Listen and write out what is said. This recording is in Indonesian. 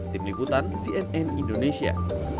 tim liputan cnn indonesia